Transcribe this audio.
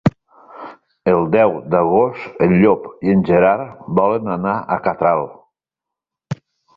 El deu d'agost en Llop i en Gerard volen anar a Catral.